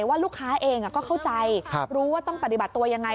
ว่าลูกค้าเองก็เข้าใจรู้ว่าต้องปฏิบัติตัวยังไง